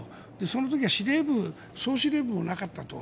その時は総司令部もなかったと。